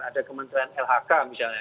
ada kementerian lhk misalnya